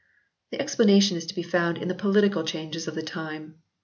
The explanation is to be found in the political changes of the time.